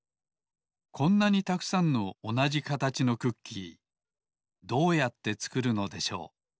こんなにたくさんのおなじかたちのクッキーどうやってつくるのでしょう。